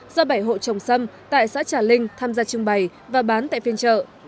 do bảy hộ trồng xâm tại xã trà linh tham gia trưng bày và bán tại phiên trợ